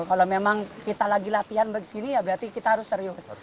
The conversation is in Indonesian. kalau memang kita lagi latihan begini ya berarti kita harus serius